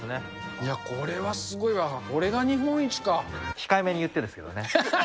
いや、これはすごいわ、控えめに言ってですけどね。